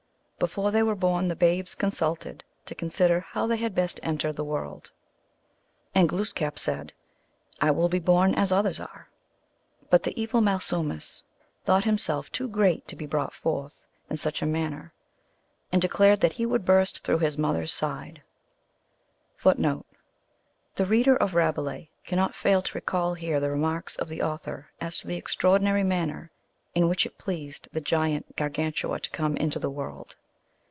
Before they were born, the babes consulted to consider how they had best enter the world. And Glooskap said, " I will be born as others are." But the evil Malsumsis thought himself too great to be brought forth in such a manner, and de clared that he would burst through his mother s side. 1 And as they planned it so it came to pass. Glooskap 1 The reader of Rabelais cannot fail to recall here the remarks of the author as to the extraordinary manner in which it pleased the giant Gargantua to come into the world.